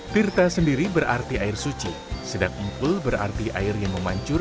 tirta sendiri memiliki pola mengisi para pengelukatan dan penyelamatkan kembali ke restriksinya di pernah kota kota jawa